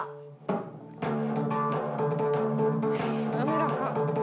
滑らか。